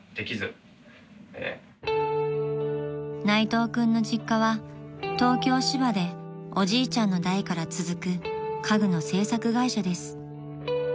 ［内藤君の実家は東京芝でおじいちゃんの代から続く家具の製作会社です］